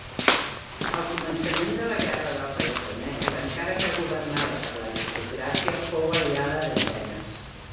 Al començament de la guerra del Peloponès, encara que governada per l'aristocràcia, fou aliada d'Atenes.